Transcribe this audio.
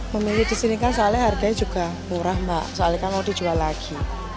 memilih di sini kan soalnya harganya juga murah mbak soalnya kan mau dijual lagi